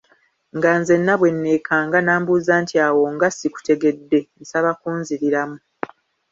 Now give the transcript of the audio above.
Nga nzenna bwe neekanga, namubuuza nti awo nga sikutegedde, nsaba kunziriramu.